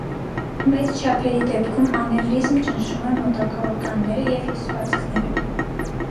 Մեծ չափերի դեպքում անևրիզմ ճնշում է մոտակա օրգանները և հյուսվածքները։